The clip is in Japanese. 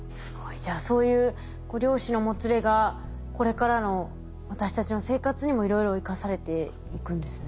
じゃあそういう量子のもつれがこれからの私たちの生活にもいろいろ生かされていくんですね。